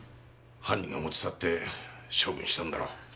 犯人が持ち去って処分したんだろう。